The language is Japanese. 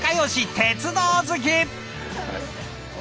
鉄道好き！